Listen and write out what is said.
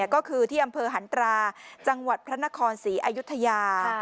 ก็คือที่อำเภอหันตราจังหวัดพระนครศรีอายุทยา